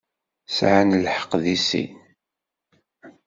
Sεan lḥeqq i sin.